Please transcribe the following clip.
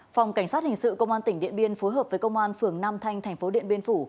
phòng cảnh sát hình sự công an tp điện biên phối hợp với công an phường nam thanh tp điện biên phủ